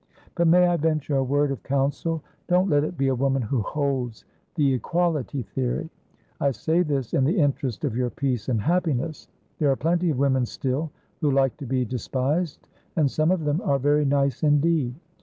But may I venture a word of counsel? Don't let it be a woman who holds the equality theory. I say this in the interest of your peace and happiness. There are plenty of women, still, who like to be despised, and some of them are very nice indeed.